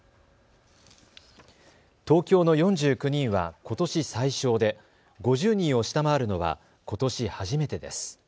東京の４９人はことし最少で５０人を下回るのはことし初めてです。